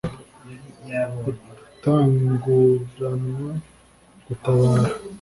Utanguranwa gutabara.